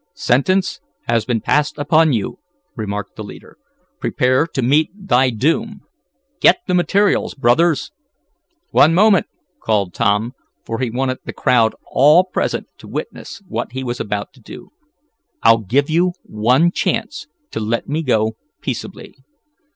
"Sentence has been passed upon you," remarked the leader. "Prepare to meet thy doom! Get the materials, brothers!" "One moment!" called Tom, for he wanted the crowd all present to witness what he was about to do. "I'll give you one chance to let me go peaceably.